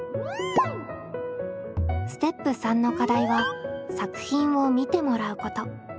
ステップ３の課題は「作品を見てもらう」こと。